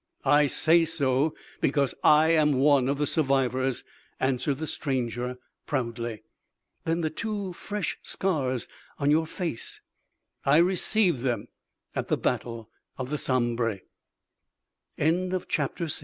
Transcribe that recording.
"I say so because I am one of the survivors," answered the stranger proudly. "Then the two fresh scars on your face " "I received them at the battle of the Sambre " CHAPTER VII. "WAR!